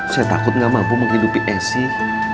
saya takut gak mampu menghidupi asih